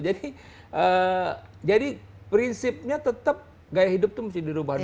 jadi prinsipnya tetap gaya hidup itu mesti dirubah dulu